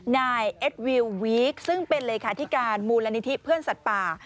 นายเอ็ดวิววีคซึ่งเป็นเลขาธิการมูลนิธิเพื่อนสัตว์ป่า